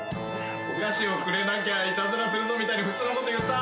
「お菓子をくれなきゃいたずらするぞ」みたいに普通のこと言った。